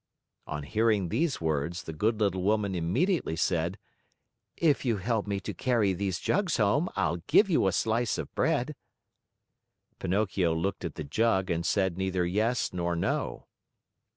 On hearing these words, the good little woman immediately said: "If you help me to carry these jugs home, I'll give you a slice of bread." Pinocchio looked at the jug and said neither yes nor no.